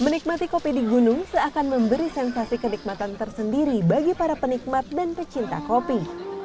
menikmati kopi di gunung seakan memberi sensasi kenikmatan tersendiri bagi para penikmat dan pecinta kopi